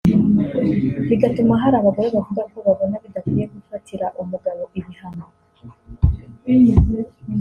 bigatuma hari abagore bavuga ko babona bidakwiye gufatira umugabo ibihano